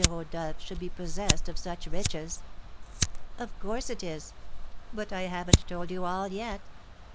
Rodolph should be possessed of such riches!" "Of course it is! But I haven't told you all yet.